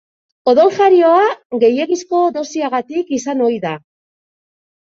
Odoljarioa gehiegizko dosiagatik izan ohi da.